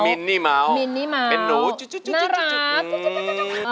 มินนี่เมาท์เป็นหนูจุ๊บน่ารัก